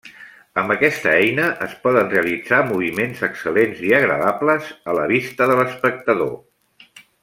Amb aquesta eina es poden realitzar moviments excel·lents i agradables a la vista de l'espectador.